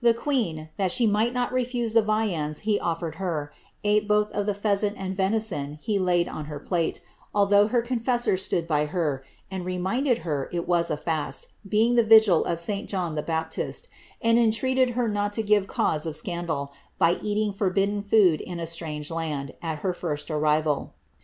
queen, that she might not refuse the riands he oflTered her, ate both of tlie pheasant and venison he laid on her plate, although her confessor stood by her, and reminded her it was a fi»t, being the vigil of St John tlie Baptist, and entreated her not to give cause of scandal, by eating forbidden food in a strange land, at her first arriTal.